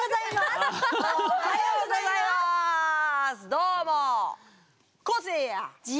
どうも。